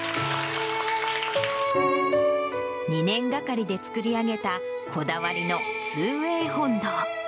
２年がかりで作り上げたこだわりの２ＷＡＹ本堂。